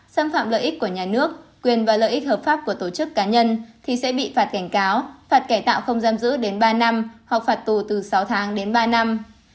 xâm phạm lợi ích của nhà nước quyền và lợi ích hợp pháp của tổ chức cá nhân thì sẽ bị phạt cảnh cáo phạt cải tạo không giam giữ đến ba năm hoặc phạt tù từ sáu tháng đến ba năm